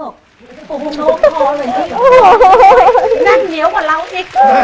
ของคุณยายถ้วน